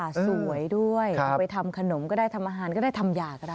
สวยด้วยเอาไปทำขนมก็ได้ทำอาหารก็ได้ทำอยากได้